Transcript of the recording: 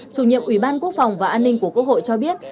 chủ nhiệm ủy ban quốc phòng và an ninh của quốc hội cho biết